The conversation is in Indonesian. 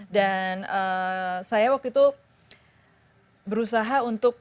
dan saya waktu itu berusaha untuk